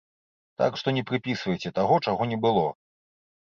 Так што не прыпісвайце таго, чаго не было.